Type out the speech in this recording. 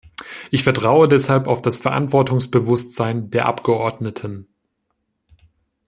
Ich vertraue deshalb auf das Verantwortungsbewusstsein der Abgeordneten.